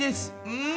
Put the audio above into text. うん。